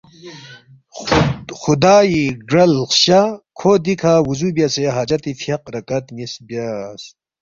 خُدائی گرل خشا کھو دیکھہ وُضو بیاسے حاجتی فیاق رکعت نِ٘یس بیاس